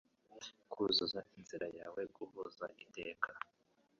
Kuzuza inzira yawe - guhuza iteka: